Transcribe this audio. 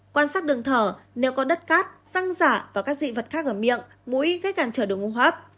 quan sát đường thở nếu có đất cát răng giả và các dị vật khác ở miệng mũi gây càng trở được ngu hấp